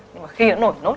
nhưng mà khi nó nổi nốt